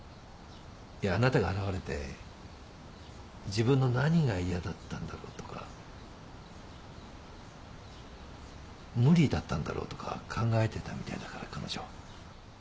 あなたが現れて自分の何が嫌だったんだろうとか無理だったんだろうとか考えてたみたいだから彼女。